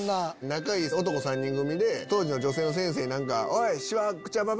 仲いい男３人組で当時の女性の先生に。